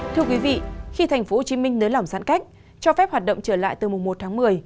thưa quý vị khi thành phố hồ chí minh nới lỏng giãn cách cho phép hoạt động trở lại từ mùa một tháng một mươi